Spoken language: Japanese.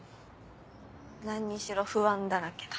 何にしろ不安だらけだ。